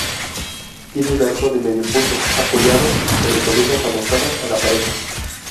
Tienen un arco de medio punto apoyado sobre columnas adosadas a la pared.